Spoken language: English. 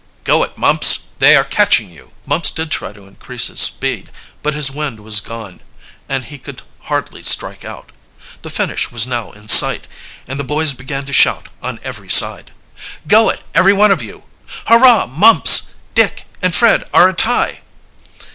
"Go it, Mumps! They are catching you!" Mumps did try to increase his speed, but his wind was gone and he could hardly strike out. The finish was now in sight, and the boys began to shout on every side: "Go it, every one of you!" "Hurrah! Mumps, Dick, and Fred are a tie!"